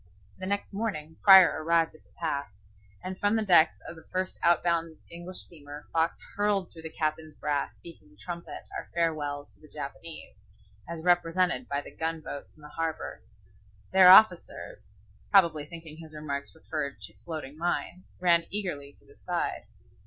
The next morning Prior arrived with the pass, and from the decks of the first out bound English steamer Fox hurled through the captain's brass speaking trumpet our farewells to the Japanese, as represented by the gun boats in the harbor. Their officers, probably thinking his remarks referred to floating mines, ran eagerly to the side.